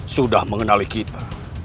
sudah mengenali kita